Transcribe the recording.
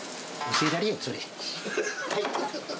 教えられん、それは。